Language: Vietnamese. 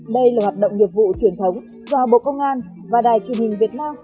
đây là hoạt động nghiệp vụ truyền thống do học bộ công an và đài truyền hình việt nam phối hợp tổ chức